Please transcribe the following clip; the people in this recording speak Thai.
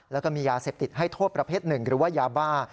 แล้วก็มียาเสพติดให้โทษประเภทหนึ่งหรือว่ายาบ้า